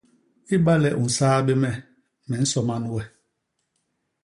I ba le u nsaa bé me, me nsoman we.